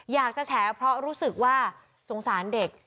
อยากจะแฉอเพราะรู้สึกว่าสงสารเด็ก